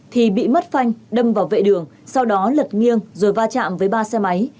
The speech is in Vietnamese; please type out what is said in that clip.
thì bị mất phanh đâm vào vệ đường sau đó lật nghiêng rồi va chạm với ba xe máy